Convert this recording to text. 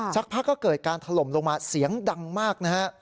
สักพักก็เกิดการถล่มลงมาเสียงดังมากนะฮะ